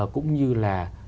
cũng như là